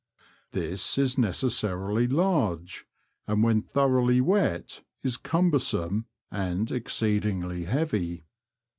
This is necessarily large, and when thoroughly wet is cumbersome and exceedingly heavy.